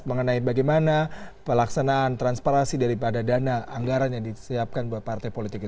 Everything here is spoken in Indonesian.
mengenai bagaimana pelaksanaan transparansi daripada dana anggaran yang disiapkan buat partai politik ini